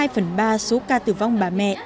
hai phần ba số ca tử vong bà mẹ